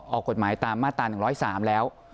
เขาก็เอากฏหมายตามมาตรา๑๐๓แล้ว